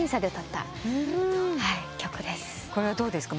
これはどうですか？